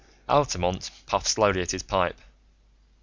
Altamont puffed slowly at his pipe.